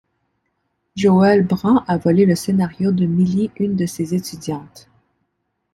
Joël Brand a volé le scénario de Millie, une de ses étudiantes.